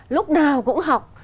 lúc nào cũng học